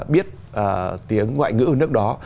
biết tiếng ngoại ngữ nước đó